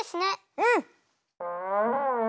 うん！